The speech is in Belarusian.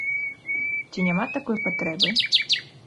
Ці няма такой патрэбы?